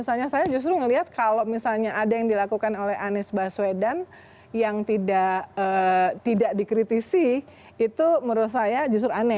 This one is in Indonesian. misalnya saya justru melihat kalau misalnya ada yang dilakukan oleh anies baswedan yang tidak dikritisi itu menurut saya justru aneh